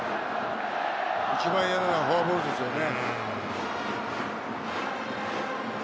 一番嫌なのはフォアボールですよね。